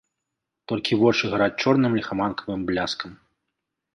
Толькі вочы гараць чорным ліхаманкавым бляскам.